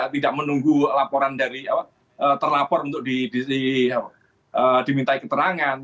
tidak menunggu laporan dari terlapor untuk diminta keterangan